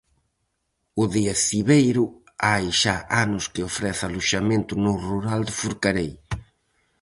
O de Acibeiro hai xa anos que ofrece aloxamento no rural de Forcarei.